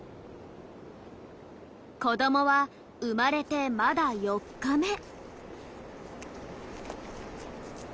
子どもは生まれてまだ４日目。